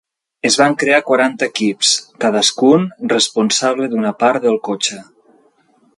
Es van crear quaranta equips, cadascun responsable d'una part del cotxe.